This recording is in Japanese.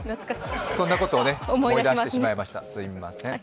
そんなことを思い出してしまいました、すいません。